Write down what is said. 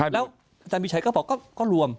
แล้วอาจารย์มีชัยก็บอกก็รวม